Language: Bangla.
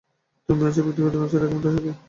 তুমি আজ এই ব্যাক্তিগত কনসার্টের একমাত্র স্বাক্ষী।